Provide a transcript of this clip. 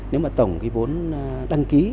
nếu mà tổng cái vốn đăng ký